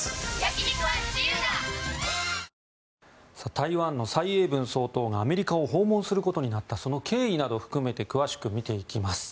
台湾の蔡英文総統がアメリカを訪問することになったその経緯などを含めて詳しく見ていきます。